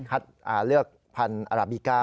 เลือกพันธุ์อาราบิก้า